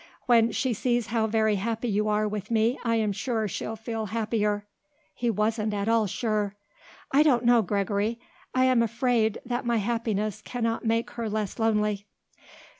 When she sees how very happy you are with me I am sure she'll feel happier." He wasn't at all sure. "I don't know, Gregory. I am afraid that my happiness cannot make her less lonely."